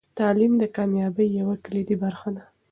تعلیم د کامیابۍ یوه کلیدي برخه ده.